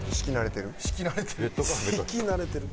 敷き慣れてる？